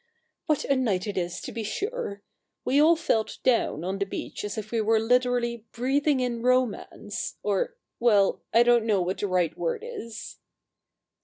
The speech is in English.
What a night it is, to be sure ! We all felt down on the beach as if we were literally breathing in Romance — or — well, I don't know what the right word is.'